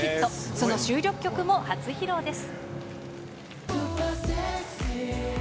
その収録曲も初披露です。